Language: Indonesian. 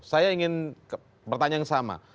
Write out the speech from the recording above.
saya ingin bertanya yang sama